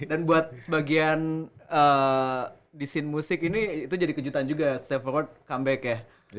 buat sebagian di scene musik ini itu jadi kejutan juga save award comeback ya